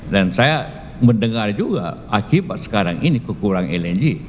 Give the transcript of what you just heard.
dan saya mendengar juga akibat sekarang ini kekurangan lng